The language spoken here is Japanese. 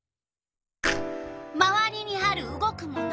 まわりにある動くもの。